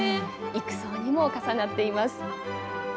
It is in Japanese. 幾層にも重なっています。